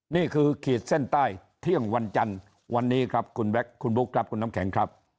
ขีดเส้นใต้เที่ยงวันจันทร์วันนี้ครับคุณแบ็คคุณบุ๊คครับคุณน้ำแข็งครับ